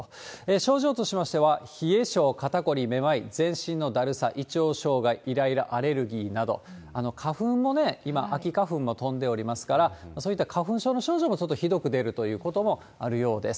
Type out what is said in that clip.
症状としましては、冷え性、肩こり、めまい、全身のだるさ、胃腸障害、いらいら、アレルギーなど、花粉も今、秋花粉も飛んでおりますから、そういった花粉症の症状もちょっとひどく出るということもあるようです。